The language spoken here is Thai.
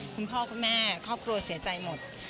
คุณพ่อคุณแม่ครอบครัวเสียใจหมด